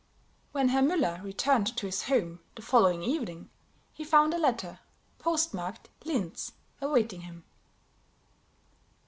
When Herr Müller returned to his home the following evening, he found a letter, postmarked "Linz," awaiting him.